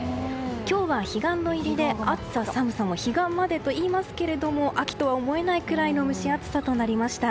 今日は彼岸の入りで暑さ寒さも彼岸までといいますが秋とは思えないくらいの蒸し暑さとなりました。